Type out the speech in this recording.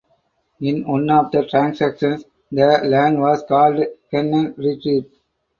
In one of the transactions the land was called ""Hennen Retreat"".